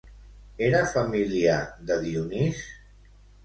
Era família de Dionís?